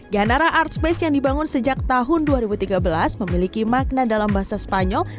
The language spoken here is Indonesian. ganara artspace yang dibangun sejak tahun dua ribu tiga belas memiliki makna dalam bahasa spanyol